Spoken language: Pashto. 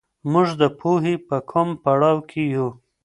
موږ د پوهي په کوم پړاو کي يو؟